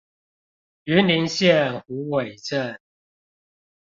雲林縣虎尾鎮